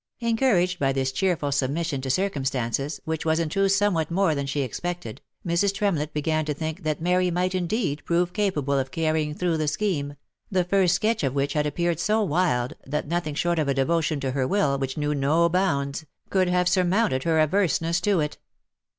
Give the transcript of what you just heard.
Encouraged by this cheerful submission to circumstances, which was in truth somewhat more than she expected, Mrs. Tremlett began to think that Mary might indeed prove capable of carrying through the scheme, the first sketch of which had appeared so wild, that nothing short of a devotion to her will, which knew no bounds, could have surmounted her averseness to it.